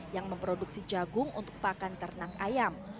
yang memproduksi jagung untuk pakan ternak ayam